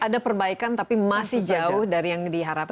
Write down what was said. ada perbaikan tapi masih jauh dari yang diharapkan